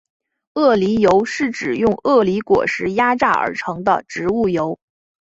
鳄梨油是指用鳄梨果实压榨而成的植物油。